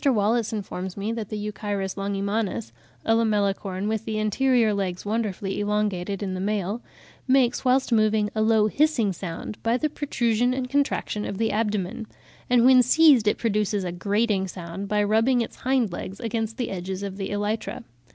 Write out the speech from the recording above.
Wallace informs me that the Euchirus longimanus (a Lamellicorn, with the anterior legs wonderfully elongated in the male) "makes, whilst moving, a low hissing sound by the protrusion and contraction of the abdomen; and when seized it produces a grating sound by rubbing its hind legs against the edges of the elytra."